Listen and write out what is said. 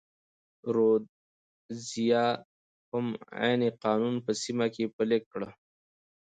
رودزیا هم عین قانون په سیمه کې پلی کړ.